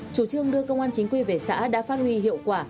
chủ trương đưa công an chính quy về xã đã phát huy hiệu quả